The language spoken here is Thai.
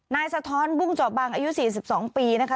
สะท้อนบุ้งจอบบังอายุ๔๒ปีนะคะ